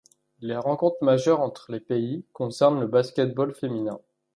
Les rencontres majeures entre les pays concernent le basket-ball féminin.